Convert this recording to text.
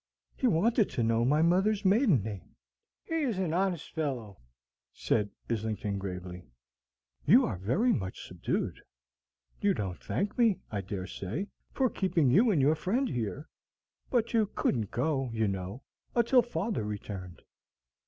He wanted to know my mother's maiden name." "He is an honest fellow," said Islington, gravely. "You are very much subdued. You don't thank me, I dare say, for keeping you and your friend here; but you couldn't go, you know, until father returned."